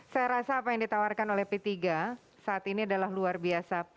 saya rasa apa yang ditawarkan oleh p tiga saat ini adalah luar biasa p tiga